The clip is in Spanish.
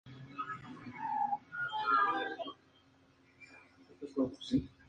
Se les apreciaba por su rapidez, trabajos artesanales y oficios humildes.